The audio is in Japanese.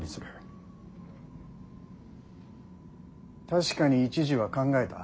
確かに一時は考えた。